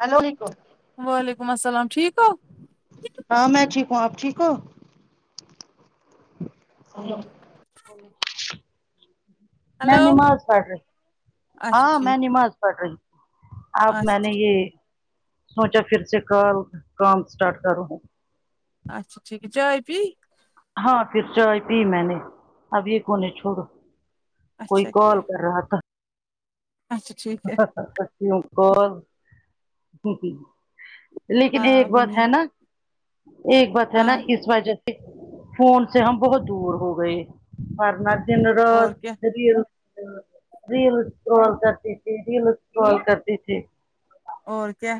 hello نیکو وعلیکم السلام ٹھیک ہو ہاں میں ٹھیک ہوں آپ ٹھیک ہو [unintelligible] ہلو میں نماز پڑھ رہی اچھا ہاں میں ٹھیک نیماز پڑھ رہی اب میں اچھا نے ٹھیک یہ سوچا پھر سے کال کام اسٹارٹ کروں اچھا ٹھیک ہے چائے پی ہاں پھر چائے پی میں نے اب یہ کون ہے چھوڑو کوئی اچھا کال کررہا تھا اچھ ہا ہا ہا کرتی ہوں کال ہی ہی لیکن ہاں ایک ابھی بات نہیں ہے نا ایک بات ہے نا ہاں اس وجہ سے فون سے ہم بہت دور ہو گئے ورنہ دن رات اور کیا ریل ریل اسکرول کرتی ریل اسکرول کرتی تھی اور کیا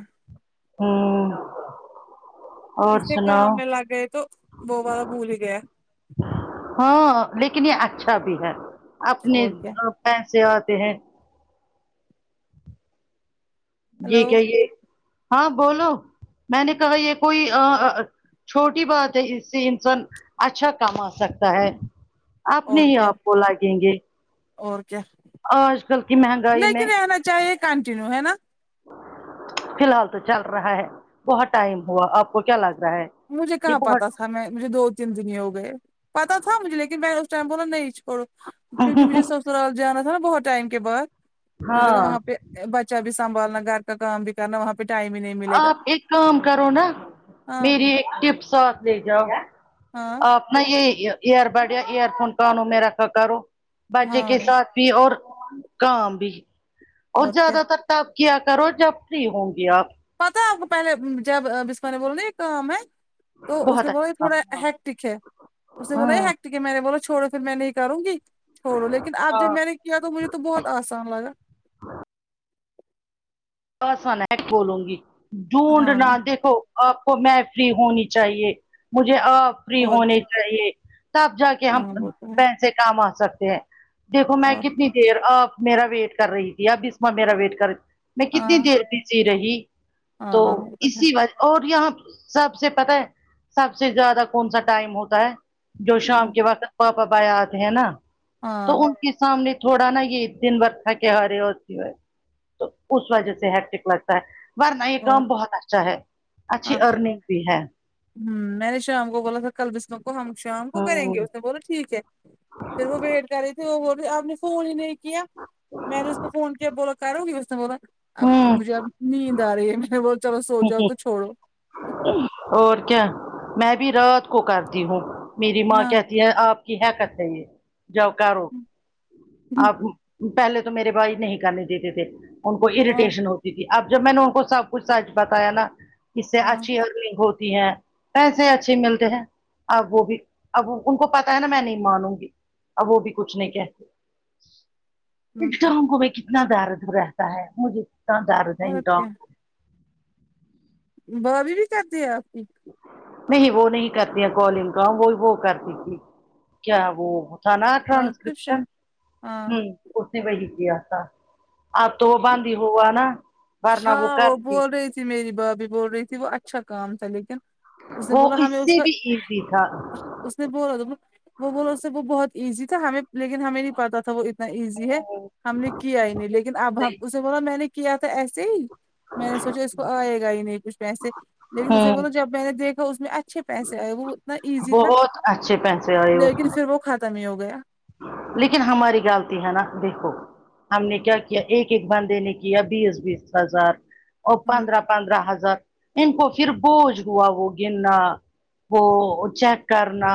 ہوں اور اس سے کام سناؤ میں لگ گئے تو وہ والا بھول ہی گیا ہاں لیکن یہ اچھا بھی ہے اپنے اور کیا پیسے آتے ہیں یہ ہلو کیا یہ ہاں بولو میں نے کہا یہ کوئی اں آ آ چھوٹی بات ہے اس سے انسان اچھا کام آ سکتا ہے آپ اور نہیں کیا آپ کو لگیں گے اور کیا آج کل کی مہنگائی میں لیکن رہنا چاہیے کنٹینیو ہے نا فی الحال تو چل رہا ہے بہت ٹائم ہوا آپ کو کیا لگ رہا ہے مجھے یہ کہاں پتہ بہت تھا میں مجھے دو دنیا ہو گئے پتا تھا مجھے لیکن میں اس ٹائم بولا نہیں چھوڑو کیونکہ مجھے س سرال جانا تھا نا بہت ٹائم کے بعد مجھے لگا ہاں وہاں پہ بچہ بھی سنبھالنا گھر کا کام بھی کرنا وہاں پہ ٹائم ہی نہیں ملے گا آپ ایک کام کرو نا ہاں میری ایک ٹپ ساتھ لے جاؤ ہاں اپنا یہ ایئر بڈ یا ایئر فون کانو میں راکھا کروں بچے ہاں کے ساتھ بھی اور کام بھی اور زیادہ تر تب کیا کرو جب فری ہوں گی آپ پتہ ہے آپ کو پہلے جب بس [unintelligible] میںان بولو نا یہ کام ہے تو اس بہت نے بولا یہ اچھا تھوڑا ہیک کام ٹک ہے اس نے بولا ہاں یہ ہٹیک ہے میں نے بو چھوڑو پھر میں نہیں کروں گی چھوڑو لیکن اب جب ہاں میں نے کیا تو مجھے تو بہت آسان لگا ایسا نہیں بولوں گی ڈونڈ نہ ہاں دیکھو آپ کو میں فری ہونی چاہیے مجھے آپ فری اور کیا ہونی چاہیے تب جا کے ہم ہاں وہ تو ہے پیسے کما سکتے ہیں دیکھو میں اور کیا کتنی دیر آپ میرا ویٹ کر رہی تھی اب بسمہ میرا ویٹ کر میں کتنی ہاں دیر بزی رہی تو ہاں وہ ہے اسی وجہ اور یہاں سب سے پتہ ہے سب سے زیادہ کون سا ٹائم ہوتا ہے جو ہوں، شام کے وقت پاپا بائے آتے ہیں نا تو ہاں ان کی سامنے تھوڑا نا یہ دن برکھا کے ہارے ہوتی ہے تو اس وجہ سے ہیٹک لگتا ہے ورنہ یہ اور کام بہت اچھا ہے اچھی ارننگ بھی ہے ہ میں نے شام کو بولا تھا کل بسمہ کو ہم شام کو کریں گے ہمم اس نے بولا ٹھیک ہے پھر وہ ویٹ کر رہے تھی اپپنے فون ہی نہیں کیا میں نے اس کو فون کیا بولا کروں گی اس نے بولا اب ہمم مجھے اب نیند نیند ارہی ہے میں نے بول چلو سو جاؤ تو چھوڑو اور کیا میں بھی رات کو کرتی ہوں میری ماں ہاں کہتی آپ کی حرکت ہے یہ جوکاروں آپ پہلے تو میرے بھائی نہیں کرنے دیتے تھے ان کو ہاں اریٹیشن ہوتی تھی اب جب میں نے ان کو سب کچھ سچ بتایا نا اس سے ہاں اچھی ہرننگ ہوتی ہے پیسے اچھے ملتے ہیں اب وہ بھی اب ان کو پتا ہے نا میں نہیں مانوں گی اب وہ بھی کچھ نہیں کہتے ہم، انٹروں کو بھی کتنا دارد رہتا ہے مجھے کتنا دارد ہے اور انٹر کیا بھابی بھی کرتی ہے آپ کی نہیں وہ نہیں کرتی ہے کال ان کا وہ وہ کرتی تھی کیا وہ سناتان ٹرانسکرپشن اسکپشن ہاں ہ اس نے وہی کیا تھا اب تو وہ باندی ہوا نا ورنہ وہ ہاں کر تی بول رہی میری بھابھی بول رہی تھی وہ اچھا کام تھا لیکن اس نے وہ بولا ہمیں اس سے کا بھی ایزی تھا اس نے بولا تو وہ بولو اس سے وہ بہت ایزی تھا ہمیں لیکن ہمیں نہیں پتا تھا وہ اتنا ایزی ہے ہم نے کیا ہی نہیں لیکن اب ہم اسے بولا میں نے کیا تھا ایسے ہی میں نے سوچا اس کو آئے گا ہی نہیں کچھ پیسے لیکن اسے ہوں بولا جب میں نے دیکھا اس میں اچھے پیسے آئے وہ اتنا ایزی تھا بہت اچھے پیسے آئے اس لیکن پھر وہ ختم ہی ہو گیا لیکن ہماری گالتی ہے ناں دیکھو ہم نے کیا کیا ایک ایک بندے نے کیا بیس بیس ہزار اور ہوں پندرہ پندرہ ہزار ان کو پھر بوجھ ہوا وہ گننا وہ چیک کرنا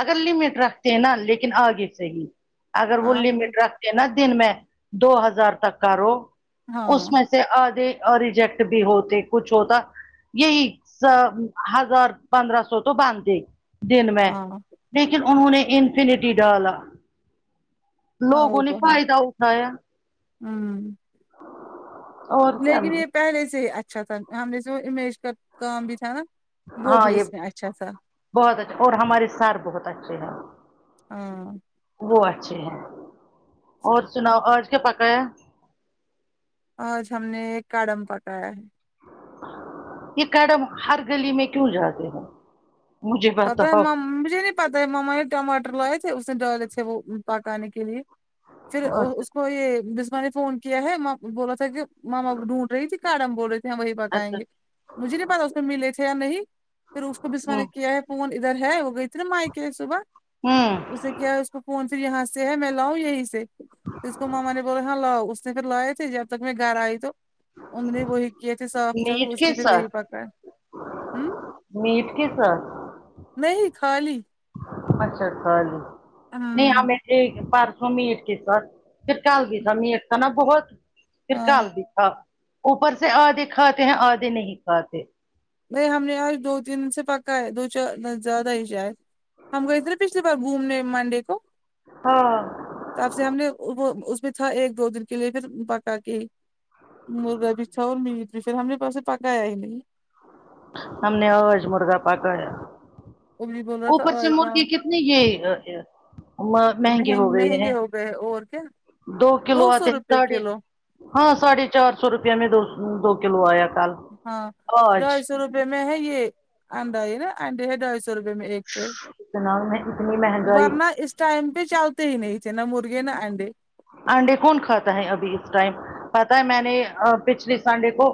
اگر لمٹ رکھتے ہیں ناں لیکن آگے سے ہی اگر وہ ہاں لمٹ سچ رکھتے ناں دن میں دو ہزار تک کا رو ہاں اس میں سے آگے ریجیکٹ بھی ہوتے کچھ ہوتا یہی ہزار پندرہ سو تو باندھتے دن میں ہاں لیکن انہوں نے انفینٹی ڈالا ہاں لوگوں وہ نے تو ہے فائدہ اٹھایا ہوں اور کیا لیکن یہ پہلے سے ہی اچھا تھا ہم نے سے وہ امیج کا کام بھی تھا ناں وہ ہاں بھی یہ اس میں اچھا بہت اچھا اور ہمارے سر بہت اچھے ہیں ہاں وہ اچھے ہیں اور سناؤ آج کیا پکایا آج ہم نے ایک کڈم پکایا ہے یہ کڈم ہر گلی میں کیوں جاتے مجھے پتا ہے بتاؤ مم مجھے نہیں پتہ ہے ماما نے ٹماٹر لائے تھے اس میں ڈالے تھے وہ پکانے کے لیے پھر اچھا اس کو بسما نے فون کیا ہے م بولا تھا کہ ماما ڈھونڈ رہی تھی کاڑم بول رہی وہی پکائیں اچھا گے مجھے نہیں پتا اس میں ملے تھے یا نہیں پھر اس کو بسما ہوں نے کیا ہے فون ادھر ہے وہ گئی تھی ناں مائیکے صبح ہوں اسے کیا ہے اس کو فون یہاں سے ہے میں لاؤں یہیں سے اس کو ماما نے بولا ہاں لاؤ چکن لائے تھے جب تک میں گھر آئی تو ان نے وہی کیے تھے صاف چل میٹ اس نے کے پھر وہی ساتھ پکا ہوں میٹ کیسر نہیں خالی اچھا چالے نہیں ہمم ہمیں پارسو میں ایک کے سات پھر کال بھی تھا میں ایک تھا ناں بہت فر ہاں کال بھی تھا اوپر سے آدھے کھاتے ہیں آدھے نہیں کھاتے نہیں ہم نے آج دو تین سے پکا ہے دو چار زیادہ ہی جائے ہم گئے تھے پچھلی بار گھومنے منڈے کو ہاں تب سے ہم نے اس میں ایک دو دن کے لیے پھر پکا کے مرغا بھیچھا اور میٹ بھیچھر ہم نے اوپر سے پکایا ہی نہیں ہم نے آج مرغا پکایا ابھی بول رہا تھا اوپر سے اور اتنا مرغی کتنی یہ مہنگے ہو مہنگ گئے مہنگے ہیں ہو گئے اور کیا دو کلو آتے سو ہیں روپے ساڑھے کلو ہاں ساڑھے چار سو روپیہ میں دو دو کلو آیا کال ہاں ڈھائی سو روپے میں ہے یہ انڈا یہ ناں انڈے ہے ڈھائی سو روپے میں ایک ٹرے اتنا میں اتنی مہنگائی ورنہ اس ٹائم پہ چلتے ہی تھے نہیں مرغی نہ انڈے انڈے کون کھاتا ہے ابھی اس ٹائم پتہ ہے میں نے پچھلے سنڈے کو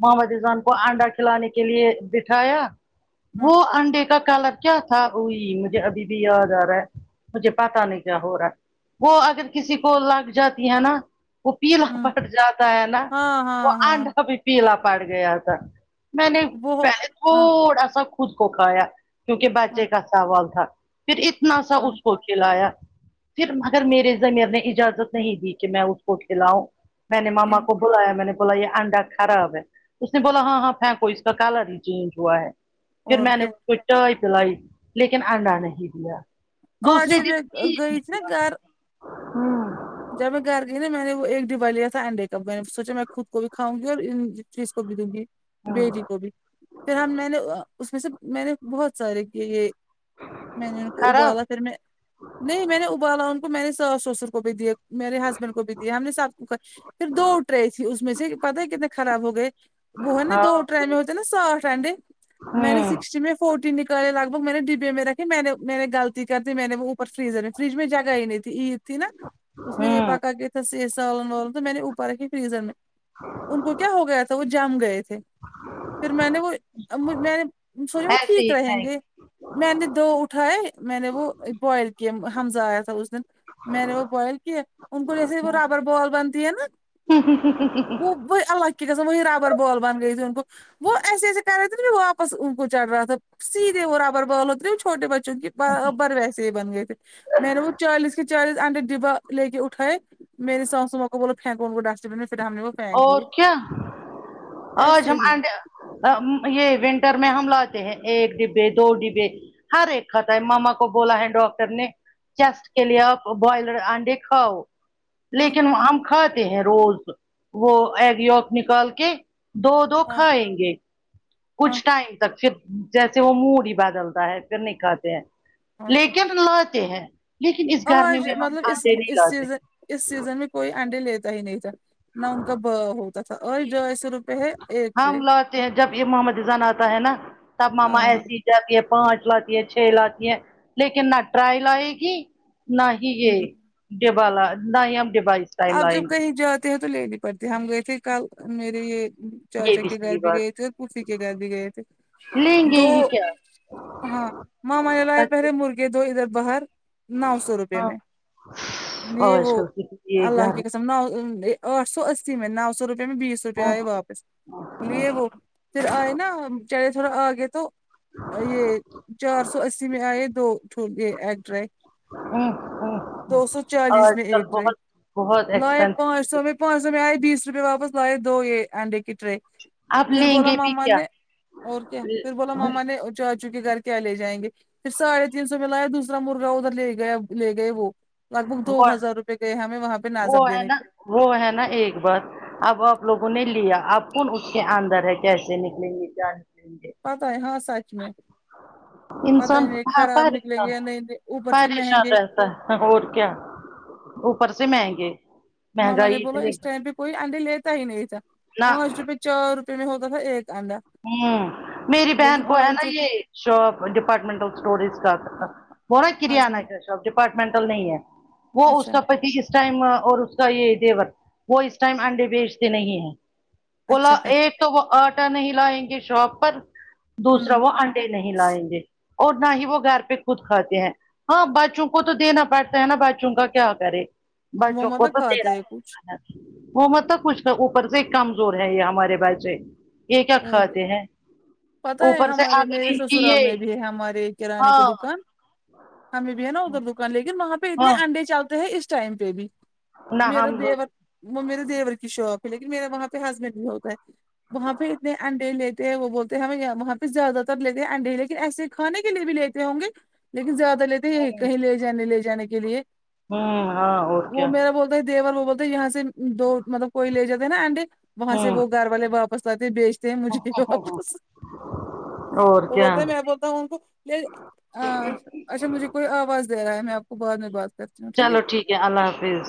محمد رضوان کو انڈا کھلانے کے لیے بٹھایا ہوں وہ انڈے کا کالر کیا تھا اوئی مجھے ابھی بھی یاد آ رہا ہے مجھے پتا نہیں کیا ہو رہا ہے وہ اگر کسی کو لگ جاتی ہے ناں وہ پیلا ہوں پٹ جاتا ہے ناں ہاں وہ ہاں ہاں آڈا پ پیلا پڑ گیا تھا میں نے وہ پلے ہاں تھوڑا سا خود کو کھایا کیونکہ ہاں بچے کا سوال تھا پھر اتنا سا ہاں اس کو کھلایا پھر مگر میرے ضمیر نے اجازت نہیں دی کہ میں اس کو کھلاؤں میں نے ماما ہاں کو بلایا میں نے بولا یہ انڈا خراب ہے اس نے بولا ہاں ہاں پھینکو اس کا کلر ہی چینج ہوا ہے پھر اور میں نے کیا اس کو چائے پلائی لیکن انڈا نہیں دیا اور دوسرے سے دن میں پھر گئی تھی نا نکلا گھر ہاں جب میں گھر گئی نا میں نے وہ ایک ڈبا لیا تھا انڈے ک میں نے سوچا میں خود کو بھی کھاؤ گی اور ان چیز کو بھی دوں گی بیریی ہوں گوبھی پھر ہم میں نے اس میں سے میں نے بہت سارے کی یہ میں نے ان کو خراب ابالا پھر میں نہیں میں نے ابالا ان کو میں نے ساس سسر کو بھی دیا میرے ہسبینڈ کو بھی دیا ہم نے ساب کو پھر دو ٹرے رہے تھی اس میں سے پتا کتنے خراب ہو گئے وہ ہے نا ہاں دو ٹرائ میں ہوتے نا ساٹ انڈے میں نے ہوں سکسٹی میں فوٹٹی نکلے لگ بگ میں نے ڈبے میں رکھی میرا کہ میں نے میں نے غط کر دی م میں نے وہ اوپ فریزر میں فریج میں جگہ ہی نہیں تھی عید تھی نا اس میں یہ ہوں پکا کے س سالن ولن تو میں نے اوپر رکھی فریزر میں ان کو کیا ہو گیا تھا وہ جم گئے تھے پھر میں نے وہ میں نے سوچا وہ ایسے ٹھیک ہی رہیں گے میں نے دو اٹھائے میں نے وہ بوائل کی ہمزہ ایا تھا اس نے میں نے وہ بوائل کی ان کو جیسے وہ تھینک ربر بال بنتی ہے نا وہ وہ الگ کے و وہی ربر بال بن گئی تھی ان کو وہ ایسے ایسے کراے نا میں واپس ان کو چٹ رہا تھا سیدھے وہ رابر بال ہوت رہ چھوٹے بچوں کی برابر ویسے ہی بن گئے تھے میں نے وہ چالیس کے آنڈے ڈبا لے کے اٹھائے میری ساسوما کو بولو پھینکو ان کو ڈسٹ بن میں پھر ہم نے پھینک اور دیے کیا آج ایسے ہم ہی آنڈے یہ ونٹر میں ہم لاتے ہیں ایک ڈبے دو ڈبے ہر ایک کھاتا ہے ماما کو بولا ہے ڈاکٹر نے چیسٹ کے لیے آپ بائلر انڈے کھاؤ ہاں لیکن ہم کھاتے ہیں روز وہ ایگ یولک نکال کے دونوں ہاں کھائیں گے ہاں کچھ ٹائم تک پھر جیسے وہ موڈ ہی بدلتا ہے پھر نہیں کھاتے ہیں ہاں لیکن منتے ہیں لیکن اس گرمی آج میں ہم مطلب اس آتے نہیں اس لاتے سیزن اس سیزن میں کوئی آنڈے لیتا ہی نہیں تھا نہ ان کا ب ہوتا تھا اور جو سوروپ ہم لوٹے ہیں جب یہ محمد رذان آتا ہے نا تب ماما ہاں ایسی جاتی ہے پانچ لاتی ہیں چھ لاتی ہیں لیکن نہ ٹرائل آئے گی نہ ہی یہ ہوں، ڈبا نہ ہی ہم ڈب آپ جب کہیں جاتے ہیں تو لینی پڑتے ہم گئے تھے کل میرے یہ یہ چاچا کے گھر صحیح بھی بات گئے تھے اور پفی کے گھر بھی گئے تھے لیں گے دو ہی کیا ہاں م من ل ہے پہلے مرغی دو ادھر باہر نو سو روپے ہاں میں یہ آج وہ کل کی یہ اللہ گھر کی کے قسم نو سو اسی میں نو سو روپے میں بیس روپئے آئیے واپ لیے وہ پھر آئے نا چارے تھوڑا آ گئے تو یہ چار سو اسی میں آئے دو یچھوٹے ایک ڈرائیک دو سو چالیس آج میں کل ایک تھے بہت بہت لائے ایکسپینسو پانچ سو میں پانچ سو میں آئے بیس روپئے واپس لائے دو یہ انڈے کی ٹرے اب پھر لیں بولا گے بھی ماما کیا نے اور کیا پھر بولا ماما نے چاچو کے گھر کیا لے جائیں گے پھر ساڈے تین سو میں لایا دوس را مرغا ادھر لے گیا لے گئے وہ لگے مطلب دو ہزار روپئے گئے ہیں وہ ہے نا وہ ہے نا ایک بار اب آپ لوگوں نے لیا آپ کون اس کے اندر ہے کیسے نکلیں گے جان پتہ ہے نا سچ میں پتا انسان ہی نہیں خراب نکلیں گے پریشان یا نہیں اوپر سے پریشان مہنگے رہ تھ اور کیا اوپر سے مہنگے ماما نے مہنگائی بولا اتنی اس ٹائم پہ کوئی آڈے لیتا ہی نہیں تھا نہ پانچ روپہ چار روپے میں ہوتا تھا ایک آنڈا ہوں میری بہن لیکن کو ہے اور نا جیسے یہ شاپ ڈپارٹمنٹل اسٹوریز کا وہ نا کرانہ ہسبینڈ کیا شب ڈپارٹمنٹل نہیں ہے وہ اس اچھا کا پاتی ٹائما اور اس کا یہ دیور وہ اس ٹائم انڈے بیچتے نہیں ہے بولا اچھا کر ایک تو وہ آٹا نہیں لائیں گے شاپ پر دوسرا ہوں وہ انڈے نہیں لائیں گے اور نہ ہی وہ گھر پہ خود کھاتے ہیں ہاں بچوں کو تو دینا پڑتا ہے نا بچوں کا کیا کرے وہ بچوں کو مطلب تیرا کھاتے ہیں کچھ رہا وہ مت توب کچھ اوپر سے کمزور ہے یہ ہمارے بچے یہ کیا اور کھاتے ہیں پتہ ہے اوپر سے ہمارے اگر میرے ان کی سسرال یہ میں بھی ہے ہمارے کرانے کی ہاں دکان ہمیں بھی ہے نا ادھر دکان لیکن وہاں پہ اتنے ہاں انڈے چلتے ہیں اس ٹائم پہ بھی نہ میرا ہم ہوں دیور وہ میرے دیور کی شوپ ہے لیکن میرا وہاں پہ ہسبینڈ بھی ہوتا ہے وہاں پہ انڈے لیتے ہیں وہ بولتے ہیں ہم وہاں پہ زیادہ تر لیتے ہیں انڈے ہی لیکن ایسے کھے کے لیے بھی لیتے ہوں گے لیکن زیادہ لیتے یہی کہیں لے جانے لے جانے کے لیے ہوں ہاں اور وہ کیا میرا بولتا دیور وہ بولتے یہاں سے دو مطلب کوئی لے جا ہے نا اینڈی وہاں سے ہوں وہ گھر والے باپ استاد جی بیچتے ہیں مجھے [unintelligible] واپس اور وہ کیا بولتا میں بولتا ہوں ان کو آں اچھا مجھے کوئی آواز دے رہا ہے میں آپ کو بعد میں بات چلو ٹھیک ہے اللہ حافظ